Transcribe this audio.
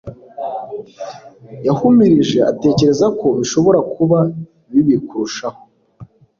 yahumurije atekereza ko bishobora kuba bibi kurushaho